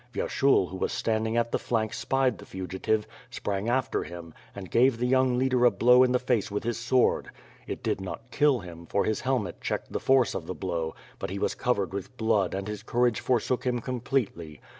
Vyerahul who was standing at the flank spied the fugitive, sprang after him, and gave the young leader a blow in the face with his sword. It did not kill him for his helmet checked the force of the blow, but he was covered with blood and his courage forsook him com pletely.